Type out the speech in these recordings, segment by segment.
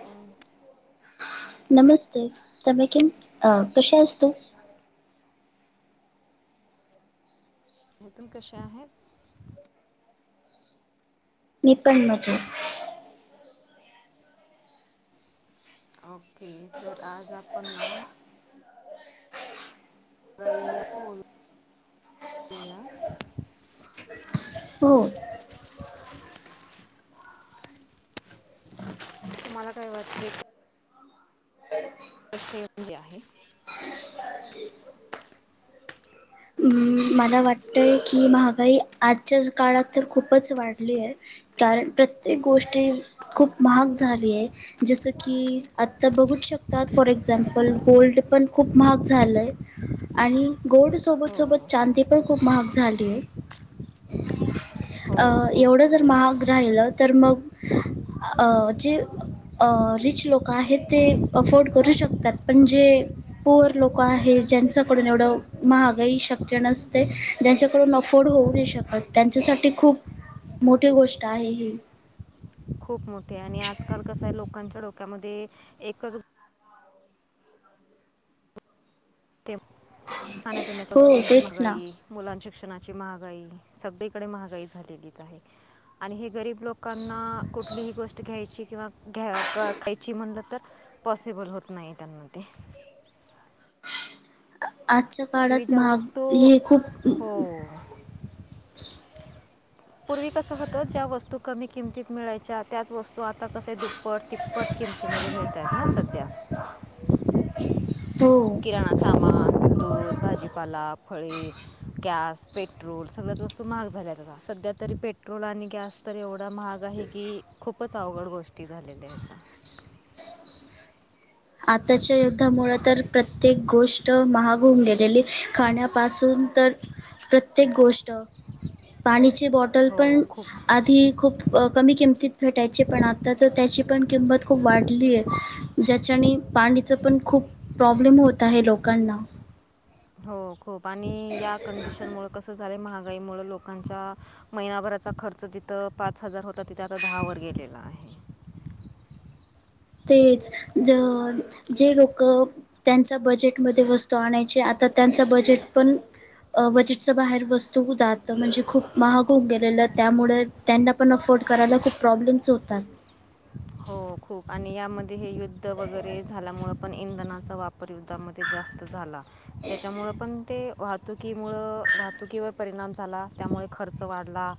[unintelligible] नमस्ते. [unintelligible] अ कशी आहेस तू? तुमि पण कशा आहेत? मी पण मजेत. ओके. तर आज आपण ना गईया बोलू बोलूया हो. तूमाला काय वाटते? [inaudible] [unintelligible] आहे [inaudible] म, मला वाटतय की, महागाई आजच्या काळात तर खूपच वाढली आहे. कारण प्रत्येक गोष्टी खूप महाग झाली आहे. जसं की आत्ता बघूच शकतात. फॉर एक्झाम्पल, गोल्ड पण खूप महाग झालंय. आणि गोल्ड हो सोबत-सोबत चांदी पण खूप महाग झाली आहे. हो खूप एवढं जर खूप महाग राहिलं तर मग जे रिच लोकं आहेत ते अफोर्ड करू शकतात. पण जे पोअर लोक आहे ज्यांच्याकडून एवढं महागाई शक नसते ज्यांच्याकडून अफोर्ड होऊ नाही शकत त्यांच्यासाठी खूप मोठी गोष्ट आहे ही खूप मोठे आणि आजकाल कसं आहे लोकांच्या डोक्यामध्ये एकच ते खाण्यापिण्याच्या हो वस्तूंची तेच ना महागाई मुलांन शिक्षणाची महागाई सगळीकडे महागाई झालेलीच आहे आणि हे गरीब लोकांना कुठलीही गोष्ट घ्यायची किंवा घ्या खायची म्हणलं तर पॉसिबल होत नाही त्यांना ते. आजच्या काळात पूर्वीच्या माहाग वस्तू हे खूप म म हो पूर्वी कसं होतं ज्या वस्तू कमी किमतीत मिळायच्या त्याच वस्तू आता कसे दुप्पट तिप्पट किमतीमध्ये मिळत आहेत ना सध्या. हो किराणा सामान, दूध, भाजीपाला, फळे गॅस, पेट्रोल सगळ्याच वस्तू महाग झाल्या आता. सध्या तरी पेट्रोल आणि गॅस तर एवढा महाग आहे की, खूपच अवघड गोष्टी झालेल्या आहेत. आताच्या युद्धामुळ तर प्रत्येक गोष्ट महाग होऊन गेलेली खण्यापासून तर प्रत्येक गोष्ट पाण्याची बॉट टल हो पण खूप आधी खूप कमी किमतीत भेटायची पण आता तर त्याची पण किंमत खूप वाढली आहे ज्या त्याच्याने पाणीचं पण खूप प्रॉब्लेम होत आहे लोकांना हो खूप आणि या कंडिशनमुं कसं झालं महागाईमुळं लोकांच्या महिनाभराचा खर्च जिथं पाच हजार होता तिथे आता दहा वर गेलेला आहे तेच ज जे लोक त्यांचा बजेटमध्ये वस्तू आणायची आता त्यांचा बजेट पण बजेटच बाहेर वस्तू जात म्हणजे खूप महाग होऊ गेलेलं त्यामुळे. त्यांना पण अफोर्ड करायला खूप प्रॉब्लेम्स होतात. हो खूप आणि यामध्ये हे युद्ध वगैरे झाल्यामुं पण इंधनाचा वापर युद्धामध्ये जास्त झाला. त्याच्यामुळं पण ते वाहतुकीमुळं वाहतुकीवर परिणाम झाला. त्यामुळे खर्च वाढला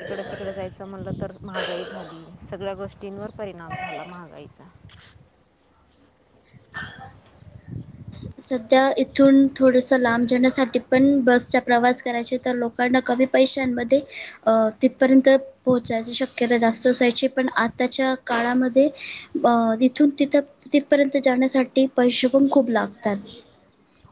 इकडं तिकडें जायचं म्हणलं तर महागाई झाली सगळ्या गोष्टींवर परिणाम झाला महागाईचा. [inaudible] सध्या इथून थोडसं लांब जण्यासाठी पण बसचा प्रवास करायचे तर लोक. पण कमी पैशांमध्ये. अ तिथपर्यंत पोहोचायची शक्यता जास्त असायची पण आताच्या काळामध्ये. अ तिथून तिथ तिथपर्यंत जाण्यासाठी पैसे पण खूप लागतात.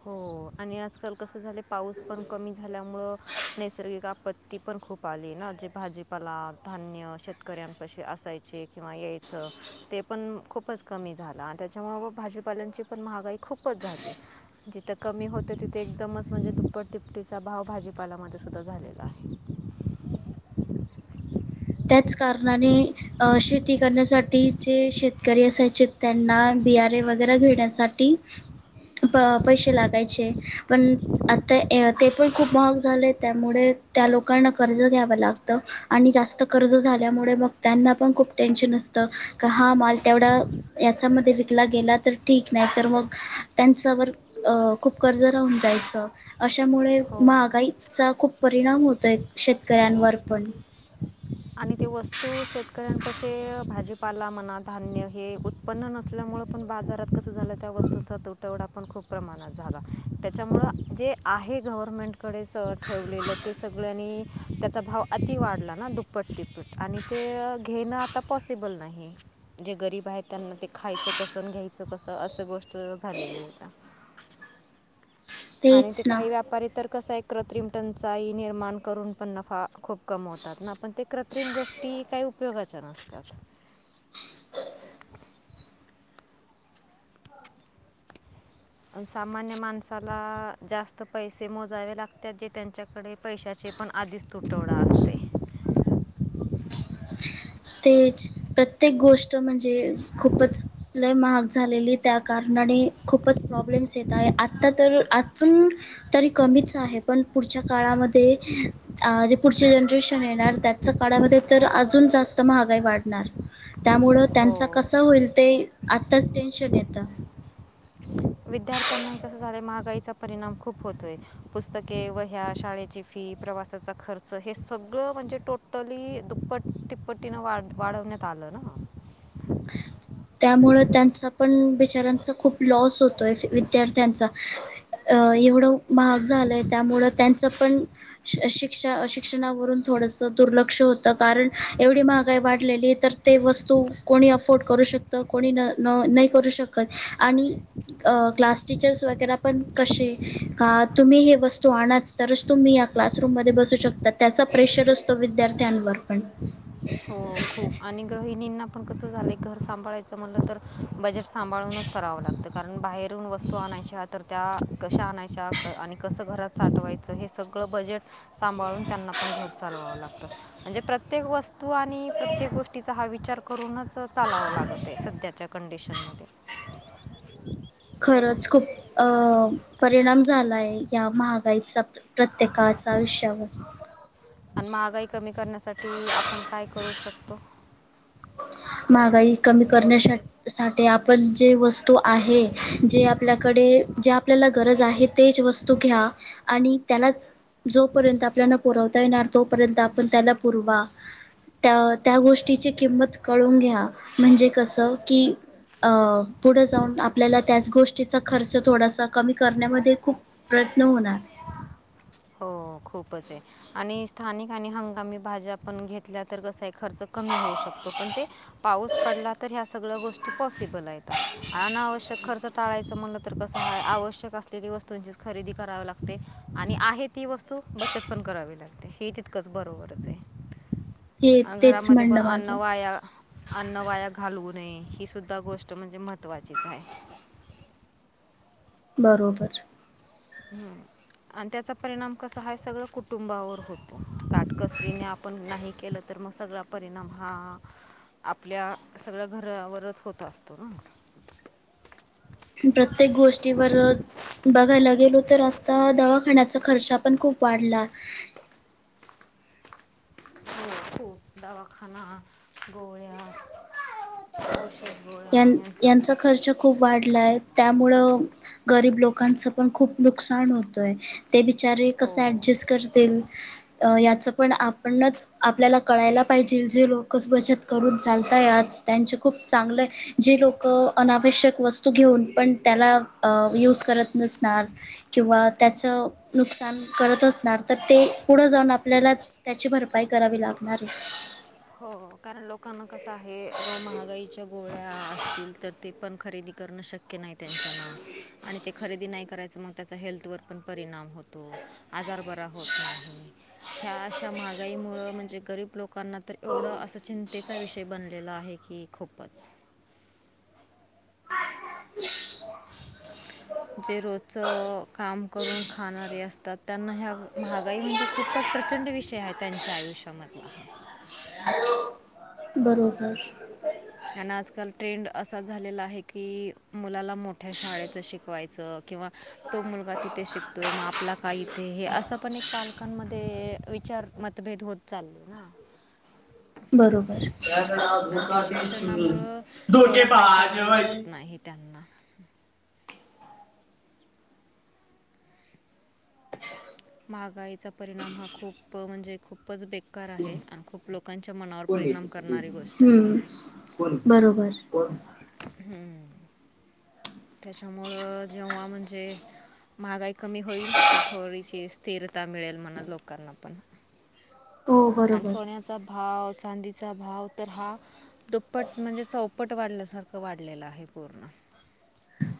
हो आणि आजकाल कसं झालं पाऊस पण कमी झाल्यामुळं. नैसर्गिक आपत्ती पण खूप आली ना जे भाजीपाला धान्य शेतकऱ्यांपशी असायची. चे किंवा यायचं. ते पण खूपच कमी झाला आणि त्याच्यामु म भाजीपाल्यांची पण महागाई खूपच झाली. जिथं कमी होत तिथे एकदमच म्हणजे दुप्पट तिपटीचा भाव भाजीपालामध्ये सुद्धा झालेला आहे. त्याच कारणाने शेती करण्यासाठी जे शेत. शेतकरी असयचे त्यांना बिआर ए वगैरे घेण्यासाठी. प पैसे लागायचे पण. आता ते पण खूप महाग झाले त्यामुळे त्या लोकांना कर्ज घ्यावं लागतं. आणि जास्त कर्ज झाल्यामुळे मग त्यांना पण खूप टेन्शन असतं हा माल तेवढा. याच्यामध्ये विकला गेला तर ठीक नाही तर मग त्यांच्यावर. अ खूप कर्ज राहून जायचं. अशामुळे हो महागाईचा खूप परिणाम होतोय शेतकऱ्यांवर पण. आणि ती वस्तू शेतकऱ्यां कसे भाजीपाला म्हणा धान्य हे. उत्पन्न नसल्यामुळं पण बाजारात कसं झालं त्या वस्तूंचा तुटवडा पण खूप प्रमाणात झाला त्याच्यामुळं. जे आहे गव्हर्मेंटकडे स ठेवलेलं ते सगळ्यांनी त्याचा भाव अति वाढला ना दु तिपट तिप्पट आणि ते घेणं आता पॉसिबल नाही. जे गरीब आहेत त्यांना ते खायचं कसं घ्यायचं कसं असं गोष्ट झालेली हो. [inaudible] आणि ते तेच ना काही व्याप पर तरर कसं आहे कृत्रिम टनचाई निर्माण करून पण नफा खूप कमी होतात ना. पण ते कृत्रिम गोष्टी काही उपयोगाच्या नसतात. प सामान्य माणसाला जास्त पैसे मोजावे लागत जे त्यांच्याकडे पैशाचे पण आधीच तुटवडा असते. तेच प्रत्येक गोष्ट म्हणजे खूपच. लय महाग झालेली त्या कारणाने खूपच प्रॉब्लेम्स येत आहे आत्ता तर आजून. तरी कमीच आहे पण पुढच्या काळामध्ये. अ जे पुढचे जनरेशन येणार त्याच्या काळामध्ये तर अजून जास्त. महागाई वाढणार त्यामुळ त्यांचा हो कस होईल ते आत्ताच टेन्शन येतं विद्यार्थ्यांनाही कस झालंय महागाईचा परिणाम खूप होतोय पुस्तके व ह्या शाळेची फी प्रवासाचा खर्च हे सगळं म्हणजे टोटली दुप्पट तिप्पट तिन वा वाढवण्यात आलं ना. त्यामुं त्यांचा पण बिचऱ्यांचा खूप लॉस होतोय विद्यार्थ्यांचा अ एवढं महाग झालंय त्यामुळं त्यांचं पण. शिक्षा शिक्षणावरून थोडस दुर्लक्ष होतं कारण एवढी महागाई वाढलेली तर. ते वस्तू कोणी अफोर्ड करू शकतं कोणी न न नाही करू शकत आणि क्लास टीचर्स वगैरे पण कसे. का तुम्ही हे वस्तू आणा तरच तुम्ही या क्लासरूम म बसू शकता त्याचा प्रेशर असतो विद्यार्थी त्यांनवरर पण हो खूप आणि गृहिणींना पण कसं झालंय घर सांभाळायचं म्हटलं तर बजेट. सांभाळूनच करावं लागतं कारण बाहेरून वस्तू आणायच्या तर त्या कशा आणायच्या आणि कसं घरात साठवायचं हे सगळं बजेट सांभाळून त्यांना पण घर चालवावं लागतं म्हणजे प्रत्येक वस्त तू आणि प्रत्येक गोष्टीचा हा विचार करूनच चालावं लागत आहे सध्याच्या कंडिशनमध्ये. खरंच खूप अ परिणाम झालाय या महागाईचा प्रत्येकाच आयुष्यावर आणि महागाई कमी करण्यासाठी आपण काय करू शकतो. महागाई कमी करण्यासाठी सा आपण जे वस्तू आहे जे आपल्याकडे जे आपल्याला गरज आहे तेच वस्तू तू घ्या आणि त्यालाच जोपर्यंत आपल्याला पुरवता येणार तोपर्यंत आपण त्याला पुरवा त्या त्या गोष्टीची किंमत कळून घ्या म्हणजे कसं की. अ पुढे जाऊन आपल्याला त्याच गोष्टीचा खर्च थोडासा कमी करण्यामध्ये खूप प्रयत्न होणार हो खूपच आहे आणि स्थानिक आणि हंगामी भाज्या आपण घेतल्या तर कसा आहे खर्च कमी होऊ शकतो पण ते पाऊस पडला तर ह्या सगळ्या गोष्टी पॉसिबल आहेतेतात अनावश्यक खर्च टाळायचं म्हणलं तर कसं आहे आवश्यक असलेली वस्तूंचीच खरेदी करावे लागतते आणि आहेत ती वस्तू बचत पण करावी लागते हे तितकंच बरोबरच हे आहे तेच घरामध्ये पण म्हणणं अन्न माझं वाया अन्न वाया घालवू नये ही सुद्धा गोष्ट म्हणजे महत्त्वाचीच आहे. बरोबर हम्म आणि त्याचा परिणाम कसा हा सगळं कुटुंबावर होतो काटकसरीने आपण नाही केलं तर मग सगळा परिणाम हा आपल्या सगळ्या घरावरच होत असतो ना प्रत्येक गोष्टीवर बघायला गेलो तर आता दवाखान्याचा खर्च पण खूप वाढला. ख खूप दावाखना गोळ्या औषध गोळा यां यांचा खूप खर्च खूप वाढलाय त्यामुळं गरीब लोकांच पण खूप नुकसान होतय ते बिचारे कसं हो ॲडजस्ट करतील याचं पण आपणच आपल्याला कळायला पाहिजेल, जे लोकच बचत करून चालतय आज. त्यांचे खूप चांगले- जे लोक अनावश्यक वस्तू घेऊन पण त्याला यूज करत नसणार- किंवा त्याचं- नुकसान करत असणार तर, ते पुढं जाऊन आपल्यालाच त्याची भरपाई करावी लागणार आहे. हो, कारण लोकांना कसं आहे, एकदम महागाईच्या गोळ्या असतील तर- ते पण खरेदी करणं शक्य नाही त्यांच्यान. आणि ते खरेदी नाही करायचं मग, त्याचा हेल्थवर पण परिणाम होतो. आजार बरा होत नाही, ह्या अशा महागाईमुळ म्हणजे गरीब लोकांना तर- एवढं असा चिंतेचा विषय बनलेला आहे की खूपच. ह [unintelligible] जे रोजच काम करून खाणारे असतात, त्यांना ह महागाई म्हणजे खूपच- प्रचंड विषय आहे त्यांच्या आयुष्यामधला हा. हॅो [unintelligible] बरोबर. अन आजकाल ट्रेंड असा झालेला आहे की, मुलाला मोठ्या शाळेतच शिकवायचं किंवा- तो मुलगा तिथे शिकतोये, मग आपला का इथे हे असं पण एक पालकांमध्ये विचार मतभेद होत- चाले ना. बरोबर [unintelligible] ऊनामुळे मुळ तेवढा पैसा धोकेबाज घालन बाई होत नाही त्यांना. महागाईचा परिणाम हा खूप म्हणजे खूपच बेकार कोण आहे आणि खूप- लोकांच्या मनावर कोण येत परिणाम होत? करणारी गोष्ट हम्म. आहे. कोण बरोबर. कोण हम्म [inaudible] त्याच्यामुळं जेव्हा म्हणजे- महागाई कमी होईल तर, थोडीशी स्थिरता मिळेल मन लोकांना पण. हो अन बरोबर. सोन्याचा भाव चांदीचा भाव तर हा- दुप्पट म्हणजे चौपट वाढल्यासारखं वाढलेलं आहे पूर्ण.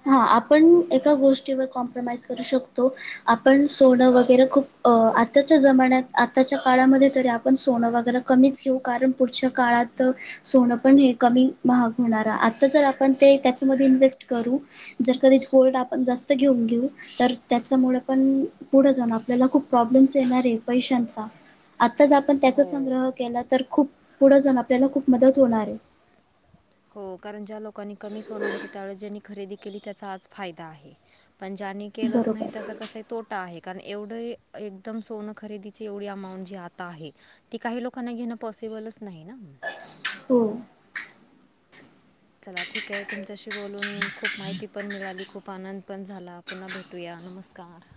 हा, आपण एका गोष्टीवर कॉम्प्रोमाइज करू शकतो- आपण सोनं वगैरे खूप अ.. आत्ताच्या जमान्यात आत्ताच्या काळामध्ये तरी आपण सोनं वगैरे- कमीच घेऊ, कारण पुढच्या काळात सोनं पण हे कमी महाग होणार आता जर आपण- पण ते त्याच्यामध्ये इन्व्हेस्ट करू, जर कधीच गोल्ड आपण जास्त घेऊन घेऊ- तर, त्याचमुळे पण पुढे जाऊन आपल्याला खूप प्रॉब्लेम्स येणार आहे पैशांचा. आत्ताच आपण त्याचा हो संग्रह केला तर, खूप पुढं जाऊन आपल्याला खूप मदत होणार आहे. हो, कारण ज्या लोकांनी कमी सोनं होतं, त्यावेळेस ज्यांनी खरेदी केली त्याचा आज फायदा आहे. पण ज्यांनी केलंच नाही, त्याचा बरोबर कसाय तोट- टा आहे, कारण एवढे एकदम सोनं खरेदीची एवढी अमाऊंट जी आता आहे- ती काही लोकांना घेण पॉसिबलच नाही ना. [inaudible] हो. [unintelligible] [inaudible] चला ठीक आहे, तुमच्याशी बोलून खूप माहिती पण मिळाली, खूप आनंद पण झाला. पुन्हा भेटूया नमस्कार.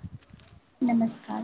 नमस्कार.